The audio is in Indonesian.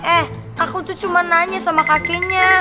eh aku tuh cuma nanya sama kakeknya